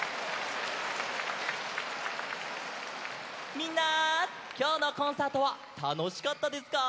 みんなきょうのコンサートはたのしかったですか？